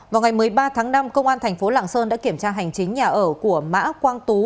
vào ngày một mươi ba tháng năm công an thành phố lạng sơn đã kiểm tra hành chính nhà ở của mã quang tú